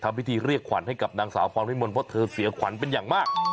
พิธีเรียกขวัญให้กับนางสาวพรพิมลเพราะเธอเสียขวัญเป็นอย่างมาก